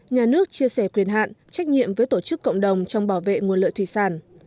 nhà nước chia sẻ quyền hạn trách nhiệm với tổ chức cộng đồng trong bảo vệ nguồn lợi thủy sản